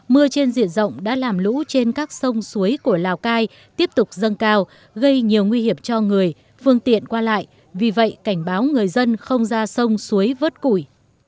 mưa trên diện rộng đã làm lũ trên các sông suối của lào cai tiếp tục dâng cao gây nhiều nguy hiểm cho người phương tiện qua lại vì vậy cảnh báo người dân không ra sông suối vớt củi